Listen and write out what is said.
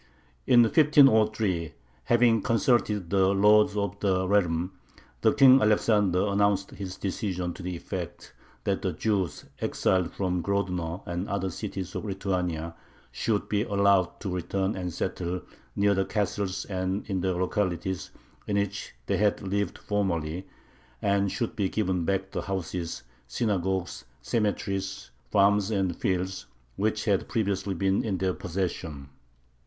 In 1503, "having consulted the lords of the realm," King Alexander announced his decision to the effect that the Jews exiled from Grodno and other cities of Lithuania should be allowed to return and settle "near the castles and in the localities in which they had lived formerly," and should be given back the houses, synagogues, cemeteries, farms, and fields, which had previously been in their possession.